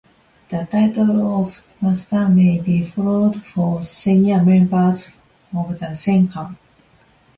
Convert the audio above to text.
The title of "Master" may be followed for senior members of the Sangha.